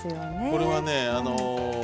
これはね